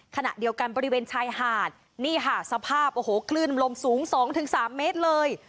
ขณะเดียวกันบริเวณชายหาดนี่ค่ะสภาพโอ้โหคลื่นลมสูง๒๓เมตรเลย